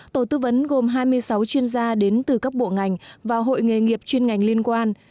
tổ tư vấn gồm hai mươi sáu chuyên gia đến từ các bộ ngành và hội nghề nghiệp chuyên ngành liên quan